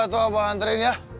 neng mau ke rumah abah hantarin ya